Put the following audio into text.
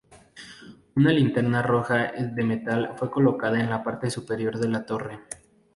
Una linterna roja de metal fue colocada en la parte superior de la torre.